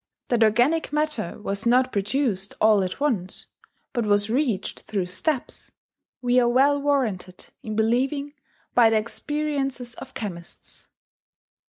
That organic matter was not produced all at once, but was reached through steps, we are well warranted in believing by the experiences of chemists."